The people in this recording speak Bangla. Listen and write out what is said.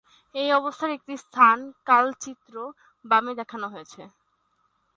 এই অবস্থার একটি স্থান-কাল চিত্র বামে দেখানো হয়েছে।